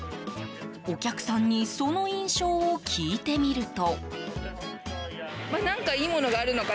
お客さんにその印象を聞いてみると。